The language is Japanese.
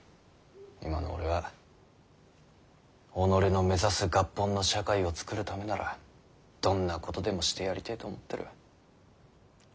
今の俺は己の目指す合本の社会を作るためならどんなことでもしてやりてぇと思ってる。